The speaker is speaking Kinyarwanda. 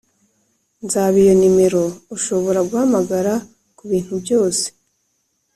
nzaba iyo numero ushobora guhamagara kubintu byose,